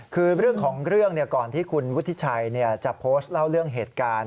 คือเรื่องของเรื่องก่อนที่คุณวุฒิชัยจะโพสต์เล่าเรื่องเหตุการณ์